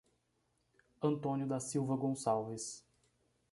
Antônio da Silva Goncalves